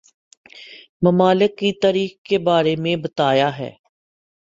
ممالک کی تاریخ کے بارے میں بتایا ہے